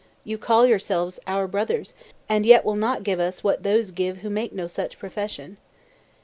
You call yourselves our brothers, and yet will not give us what those give who make no such profession.